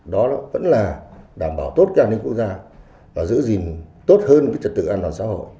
đó vẫn là đảm bảo tốt càng đến quốc gia và giữ gìn tốt hơn trật tự an toàn